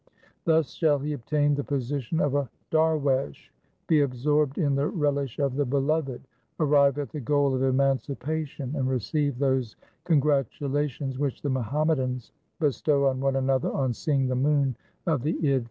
Thus shall he obtain the position of a darwesh, be absorbed in the relish of the Beloved, arrive at the goal of emancipation, and receive those congratulations which the Muhammadans bestow on one another on seeing the moon of the Id festival.